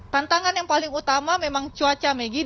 tantangan yang paling utama memang cuaca megi